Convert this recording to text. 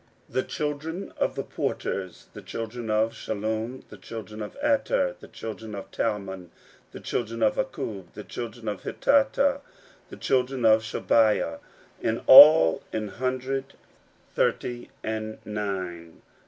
16:007:045 The porters: the children of Shallum, the children of Ater, the children of Talmon, the children of Akkub, the children of Hatita, the children of Shobai, an hundred thirty and eight.